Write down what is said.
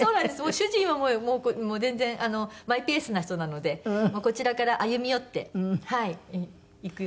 主人はもう全然マイペースな人なのでこちらから歩み寄っていくようにしております。